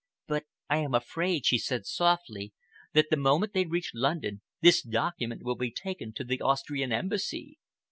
"But I am afraid," she said softly, "that the moment they reach London this document will be taken to the Austrian Embassy."